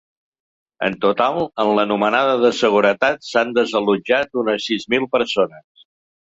En total, en l’anomenada de seguretat, s’han desallotjat unes sis mil persones.